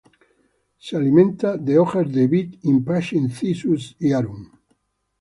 Se alimentan de hojas de vid, "Impatiens, Cissus" y "Arum".